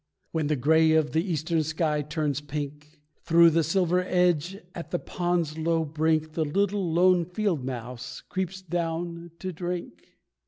When the grey of the eastern sky turns pink, Through the silver sedge at the pond's low brink The little lone field mouse creeps down to drink.